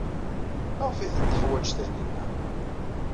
Maɣef ay tent-teḥwaj Taninna?